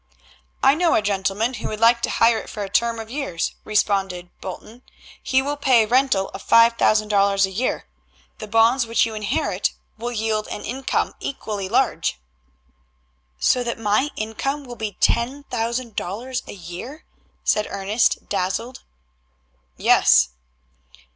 "I know a gentleman who would like to hire it for a term of years," responded Bolton. "He will pay a rental of five thousand dollars a year. The bonds which you inherit will yield an income equally large." "So that my income will be ten thousand dollars a year?" said Ernest, dazzled. "Yes."